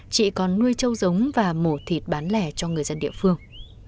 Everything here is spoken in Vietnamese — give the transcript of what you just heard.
chị còn nuôi trâu giống và mổ thịt bán lẻ cho người dân địa phương